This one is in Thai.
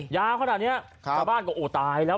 ยาวขนาดนี้ชาวบ้านก็โอ้ตายแล้ว